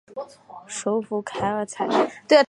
首府凯尔采。